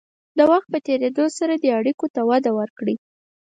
د وخت په تېرېدو سره دې اړیکو ته وده ورکړئ.